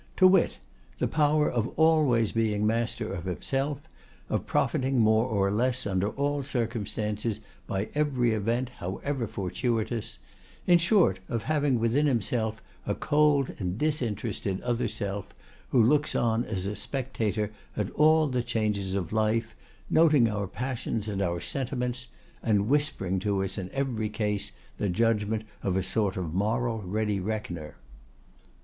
"To wit: the power of always being master of himself; of profiting more or less, under all circumstances, by every event, however fortuitous; in short, of having within himself a cold and disinterested other self, who looks on as a spectator at all the changes of life, noting our passions and our sentiments, and whispering to us in every case the judgment of a sort of moral ready reckoner."